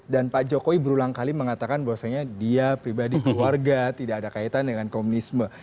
dan pak jokowi berulang kali mengatakan bahwasanya dia pribadi keluarga tidak ada kaitan dengan komunisme